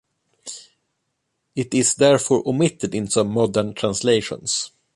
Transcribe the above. It is, therefore, omitted in some modern translations.